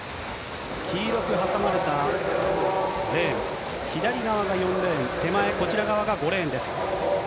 黄色く挟まれたレーン、左側が４レーン、手前、こちら側が５レーンです。